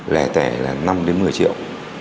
lẻ tẻ là năm đến một mươi triệu